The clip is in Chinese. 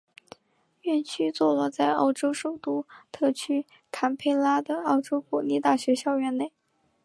院区座落在澳洲首都特区坎培拉的澳洲国立大学校园内。